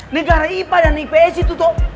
negara ipa dan ips itu toh